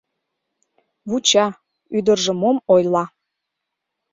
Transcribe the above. Вуча: ӱдыржӧ мом ойла.